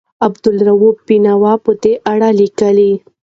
عبدالرؤف بېنوا په دې اړه لیکي.